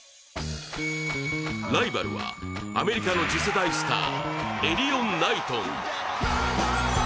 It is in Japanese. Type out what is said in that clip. ライバルは、アメリカの次世代スター、エリヨン・ナイトン。